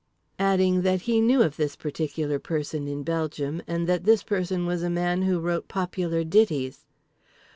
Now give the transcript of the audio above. _" Adding that he knew of this person in Belgium and that this person was a man who wrote popular ditties).